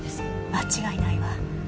間違いないわ。